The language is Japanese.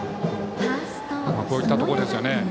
こういったところですよね。